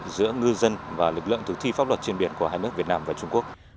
giữa ngư dân và lực lượng thực thi pháp luật trên biển của hai nước việt nam và trung quốc